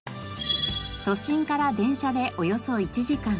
都心から電車でおよそ１時間。